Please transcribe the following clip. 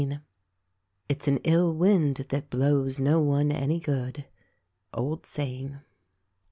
"It's an ill wind that blows no one any good." — Old Saying.